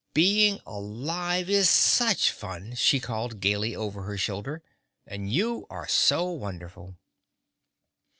"Being alive is such fun!" she called gaily over her shoulder, "and you are so wonderful!"